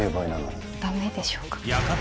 ダメでしょうか？